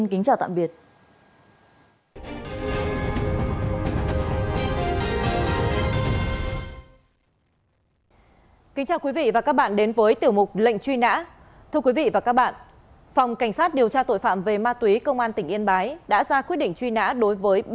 công an huyện yên bái đã ra quyết định truy nã đối với ma túy công an tỉnh yên bái đã ra quyết định truy nã đối với